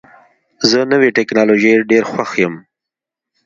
زه نوې ټکنالوژۍ ډېر خوښوم.